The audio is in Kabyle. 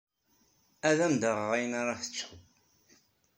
Ad am-d-aɣeɣ ayen ara teččeḍ.